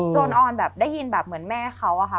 จนออนได้ยินแบบแม่เขาอะค่ะ